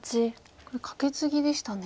これカケツギでしたね。